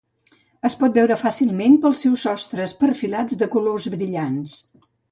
Es pot veure fàcilment pels seus sostres perfilats de colors brillants.